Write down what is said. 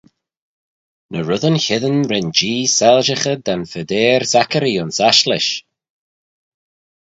Ny reddyn cheddin ren Jee soilshaghey da'n Phadeyr Zachary ayns ashlish